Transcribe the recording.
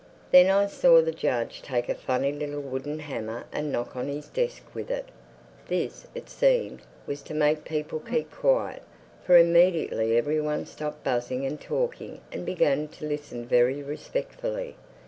Then I saw the judge take up a funny little wooden hammer and knock on his desk with it. This, it seemed, was to make people keep quiet, for immediately every one stopped buzzing and talking and began to listen very respectfully.